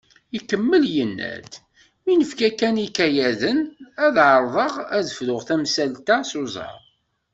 Ikemmel yenna-d: “Mi nekfa kan ikayaden, ad ɛerḍeɣ ad fruɣ tamsalt-a s uẓar."